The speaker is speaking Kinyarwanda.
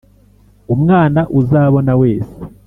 umwana uzabona wese